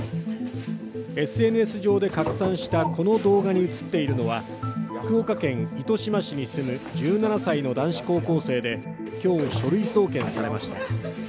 ＳＮＳ上で拡散したこの動画に映っているのは、福岡県糸島市に住む１７歳の男子高校生で今日、書類送検されました。